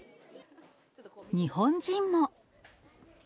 日本人も。